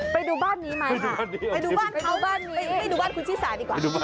ไปดูบ้านนี้มายค่ะไปดูบ้านเขาไปดูบ้านคุณชิสาดีกว่า